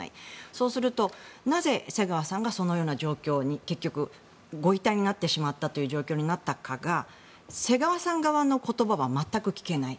そうすると、なぜ瀬川さんがそういった状況に結局、ご遺体になってしまったかということが瀬川さん側の言葉が全く聞けない。